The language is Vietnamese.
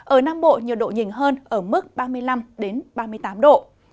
ở nam bộ nhiều độ nhìn hơn ở mức ba mươi năm ba mươi tám độ